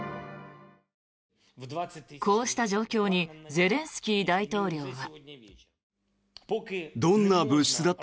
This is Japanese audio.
こうした状況にゼレンスキー大統領は。